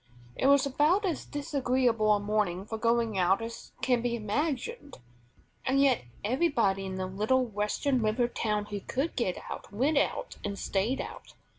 It was about as disagreeable a morning for going out as can be imagined; and yet everybody in the little Western river town who could get out went out and stayed out.